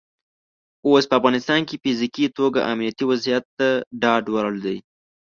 اوس په افغانستان کې په فزیکي توګه امنیتي وضعیت د ډاډ وړ دی.